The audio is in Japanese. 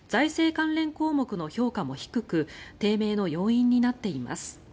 関連項目の評価も低く低迷の要因になっています。